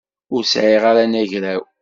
Ur sɛiɣ ara anagraw.